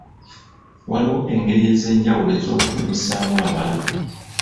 Waliwo engeri ez'enjawulo ez'okumanyisaamu abantu.